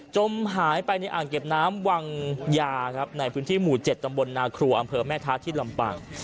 จมหายไปในอ่างเก็บน้ำวังยาครับในพื้นที่หมู่๗ตำบลนาครัวอำเภอแม่ท้าที่ลำปาง